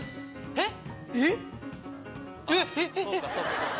えっ⁉